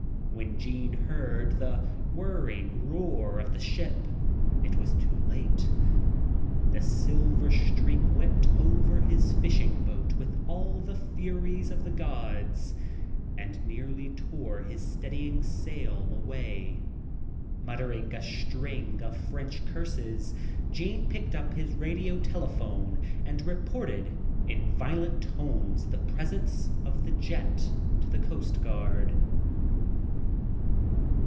When Jean heard the whirring roar of the ship, it was too late. The silver streak whipped over his fishing boat with all the furies of the gods, and nearly tore his steadying sail away. Muttering a string of French curses, Jean picked up his radio telephone and reported in violent tones the presence of the jet to the Coast Guard.